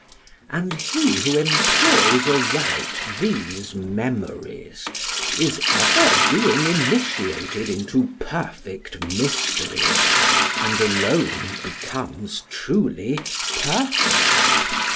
And he who employs aright these memories is ever being initiated into perfect mysteries and alone becomes truly perfect.